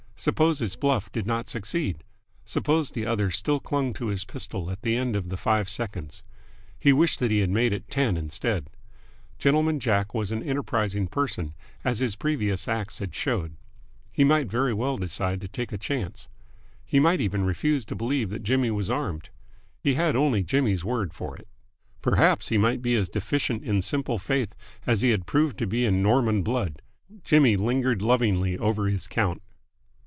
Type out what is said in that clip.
Suppose his bluff did not succeed. Suppose the other still clung to his pistol at the end of the five seconds. He wished that he had made it ten instead. Gentleman Jack was an enterprising person, as his previous acts had showed. He might very well decide to take a chance. He might even refuse to believe that Jimmy was armed. He had only Jimmy's word for it. Perhaps he might be as deficient in simple faith as he had proved to be in Norman blood! Jimmy lingered lovingly over his count.